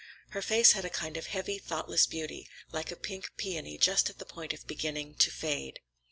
Her face had a kind of heavy, thoughtless beauty, like a pink peony just at the point of beginning to fade.